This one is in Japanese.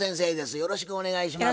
よろしくお願いします。